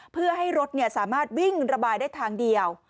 เพื่อให้รถสามารถวิ่งระบายได้ทางเดียว